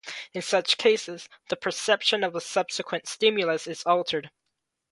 In such cases, the perception of a subsequent stimulus is altered.